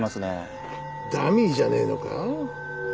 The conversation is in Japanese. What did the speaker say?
ダミーじゃねえのか？